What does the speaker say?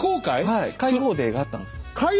はい開放デーがあったんです。